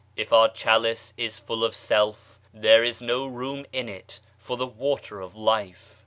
If our chalice is full of self, there is no room in it for the Waterof Life.